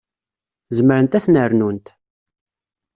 Zemrent ad ten-rnunt.